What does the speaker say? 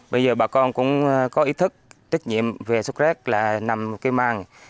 bây giờ bà con cũng có ý thức tích nhiệm về xuất xét là nằm cái màng